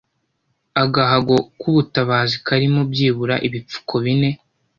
agahago k'ubutabazi karimo byibura ibipfuko bine